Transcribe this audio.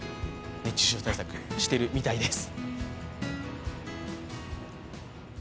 熱中症対策、してるみたいです。